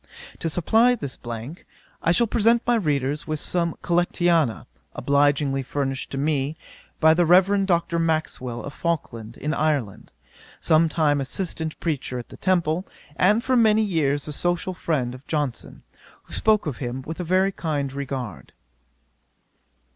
To supply this blank, I shall present my readers with some Collectanea, obligingly furnished to me by the Rev. Dr. Maxwell, of Falkland, in Ireland, some time assistant preacher at the Temple, and for many years the social friend of Johnson, who spoke of him with a very kind regard.